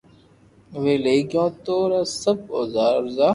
اووي لئي گيو تو را سب اورزا